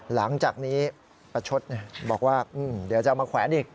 หลังจากนี้ประชดบอกว่าเดี๋ยวจะเอามาแขวนอีก